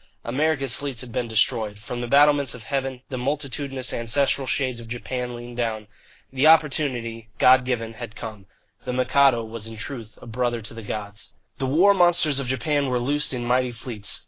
America's fleets had been destroyed. From the battlements of heaven the multitudinous ancestral shades of Japan leaned down. The opportunity, God given, had come. The Mikado was in truth a brother to the gods. The war monsters of Japan were loosed in mighty fleets.